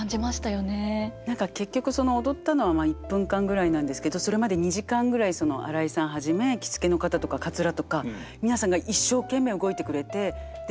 何か結局その踊ったのは１分間ぐらいなんですけどそれまで２時間ぐらい新井さんはじめ着付けの方とかかつらとか皆さんが一生懸命動いてくれてで優しいんですよ。